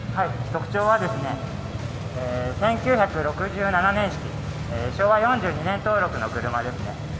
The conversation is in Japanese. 特徴は、１９６７年式、昭和４２年登録の車ですね。